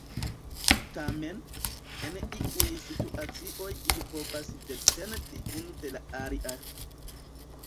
Tamen, en iuj situacioj ili povas dependi unu de la alia.